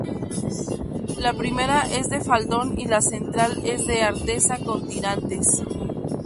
La primera es de faldón y la central es de artesa con tirantes.